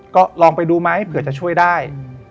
ก็ลองไปดูไหมเผื่อจะช่วยได้